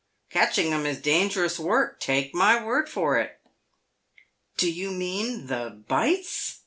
Catching them is dangerous work, take my word for it." " Do you mean the bites?"